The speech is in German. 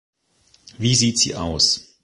Wie sieht sie aus?